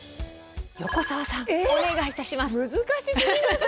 横澤さんお願いいたします。